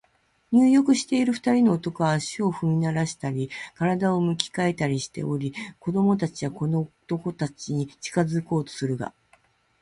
入浴している二人の男は、足を踏みならしたり、身体を向き変えたりしており、子供たちはこの男たちに近づこうとするが、